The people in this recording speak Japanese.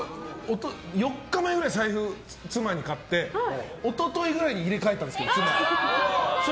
４日前くらい妻に財布を買って一昨日ぐらいに入れ替えたんですよ。